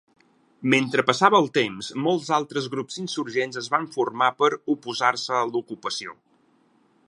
Mentre passava el temps , molts altres grups insurgents es van formar per oposar-se a la ocupació.